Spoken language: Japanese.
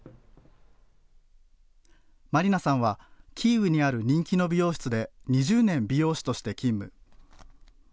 マリナさんは、キーウにある人気の美容室で、２０年美容師として勤務。